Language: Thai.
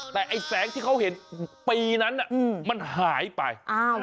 แต่ไอ้แสงที่เขาเห็นปีนั้นมันหายไป